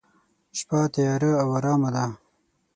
شپه تیاره او ارامه ده.